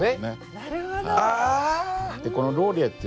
なるほど。